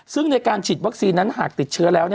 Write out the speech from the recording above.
ซึ่งในการฉีดวัคซีนนั้นหากติดเชื้อแล้ว